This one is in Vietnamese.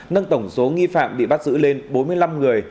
nâng tổng số nghi phạm bị bắt giữ lên bốn mươi năm người